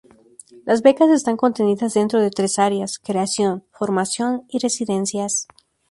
Las becas están contenidas dentro de tres áreas: creación, formación y residencias.